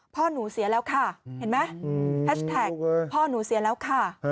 พ่อหนูเสียแล้วค่ะเห็นไหมแฮชแท็กพ่อหนูเสียแล้วค่ะ